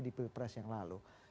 di pilpres yang lalu